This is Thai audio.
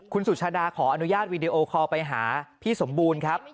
คุณสุชาดาขออนุญาตวีดีโอคอลไปหาพี่สมบูรณ์ครับ